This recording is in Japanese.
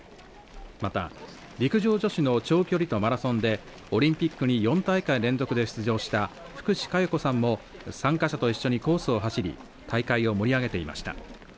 また、陸上女子の長距離とマラソンでオリンピックに４大会連続で出場した福士加代子さんも参加者と一緒にコースを走り大会を盛り上げていました。